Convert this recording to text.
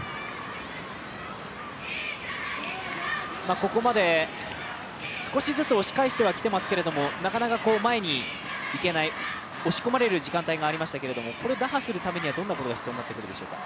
ここまで少しずつ押し返してはきていますけどなかなか前に行けない、押し込まれる時間帯がありましたけれども、これを第はするためにはどんなことが必要だしょうか？